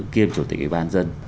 kiêm chủ tịch bàn dân